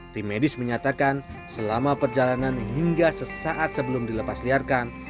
tim medis menyatakan selama perjalanan hingga sesaat sebelum dilepasliarkan